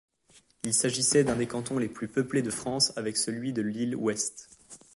Il s'agissait d'un des cantons les plus peuplés de France avec celui de Lille-Ouest.